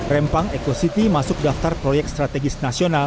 rempang eco city masuk daftar proyek strategis nasional